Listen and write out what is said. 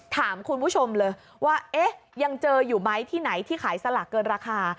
ถามคุณผู้ชมเลยว่าเอ๊ะยังเจออยู่ไหมที่ไหนที่ขายสลากเกินราคา